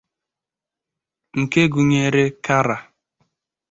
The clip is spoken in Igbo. nke gụnyere Kara